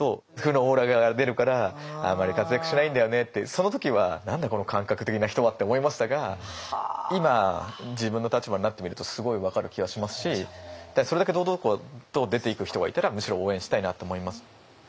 その時は「何だこの感覚的な人は」って思いましたが今自分の立場になってみるとすごい分かる気がしますしそれだけ堂々と出ていく人がいたらむしろ応援したいなと思います。